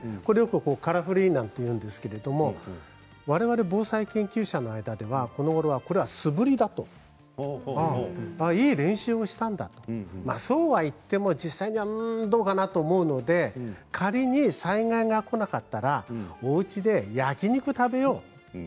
空振りなんて言うんですけどわれわれ防災研究者の間ではこのごろは、素振りだといい練習をしたんだとそうはいっても実際にどうかなと思うので仮に災害がこなかったらおうちで焼き肉を食べよう。